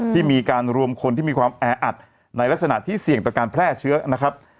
ที่มีการรวมคนที่มีความแออัดในลักษณะที่เสี่ยงต่อการแพร่เชื้อนะครับ